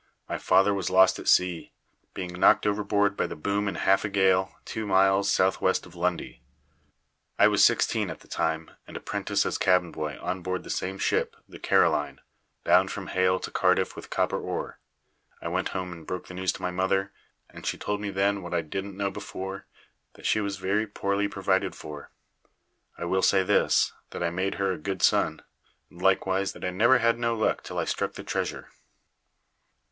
My father was lost at sea, being knocked overboard by the boom in half a gale, two miles S.W. of Lundy. I was sixteen at the time, and apprentice as cabin boy on board the same ship, the Caroline, bound from Hayle to Cardiff with copper ore. I went home and broke the news to my mother, and she told me then what I didn't know before, that she was very poorly provided for. I will say this, that I made her a good son; and likewise, that I never had no luck till I struck the Treasure.